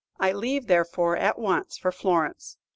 I leave, therefore, at once for Florence.